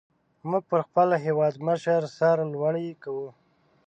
موږ پر خپل هېوادمشر سر لوړي کو.